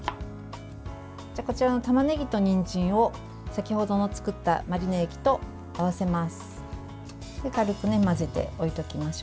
こちらのたまねぎとにんじんを先ほど作ったマリネ液と合わせます。